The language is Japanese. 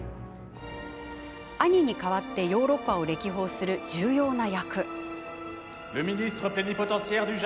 兄に代わってヨーロッパを歴訪する重要な役。